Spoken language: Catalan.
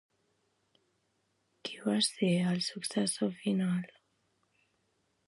Qui va ser el successor final?